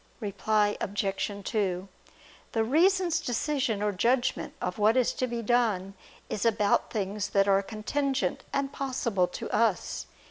Reply Obj. 2: The reason's decision or judgment of what is to be done is about things that are contingent and possible to us.